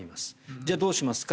じゃあどうしますか。